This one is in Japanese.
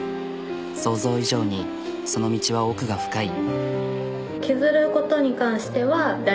想像以上にその道は奥が深い。